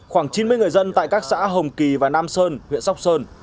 khoảng chín mươi người dân tại các xã hồng kỳ và nam sơn huyện sóc sơn